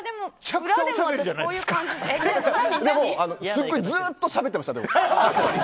すごいずっとしゃべってました。